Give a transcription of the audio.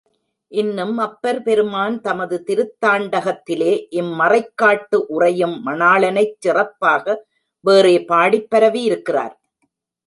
இன்னும் அப்பர் பெருமான் தமது திருத்தாண்ட கத்திலே இம்மறைக்காட்டு உறையும் மணாளனைச் சிறப்பாக வேறே பாடிப் பரவியிருக்கிறார்.